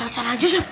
ya saya lanjut sun